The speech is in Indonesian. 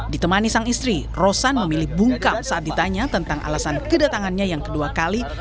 ditemani sang istri rosan memilih bungkam saat ditanya tentang alasan kedatangannya yang kedua kali